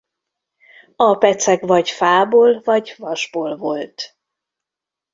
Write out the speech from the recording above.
A pecek vagy fából vagy vasból volt.